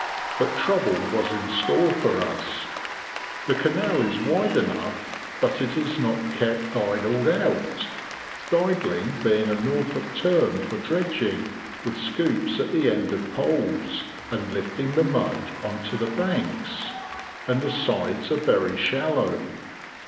But trouble was in store for us. The canal is wide enough, but it is not kept "didled" out ("didling," or "dydling," being a Norfolk term for dredging, with scoops at the end of poles, and lifting the mud on to the banks), and the sides are very shallow.